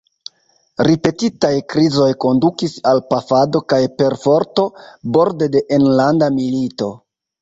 Ripetitaj krizoj kondukis al pafado kaj perforto, borde de enlanda milito.